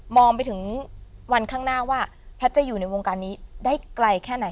ไปถึงวันข้างหน้าว่าแพทย์จะอยู่ในวงการนี้ได้ไกลแค่ไหน